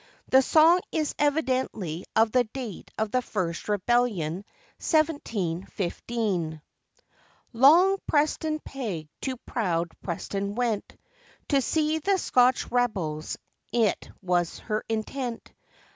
The song is evidently of the date of the first rebellion, 1715.] LONG Preston Peg to proud Preston went, To see the Scotch rebels it was her intent.